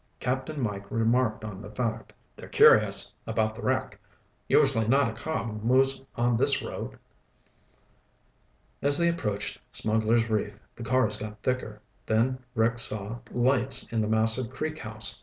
Captain Mike remarked on the fact. "They're curious about the wreck. Usually not a car moves on this road." As they approached Smugglers' Reef, the cars got thicker. Then Rick saw lights in the massive Creek House.